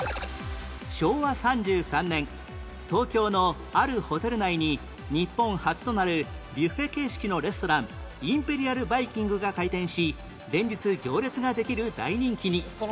昭和３３年東京のあるホテル内に日本初となるビュッフェ形式のレストランインペリアルバイキングが開店し連日行列ができる大人気に